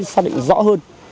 xác định rõ hơn